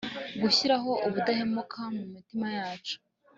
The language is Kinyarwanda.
gushiraho ubudahemuka mumitima yacu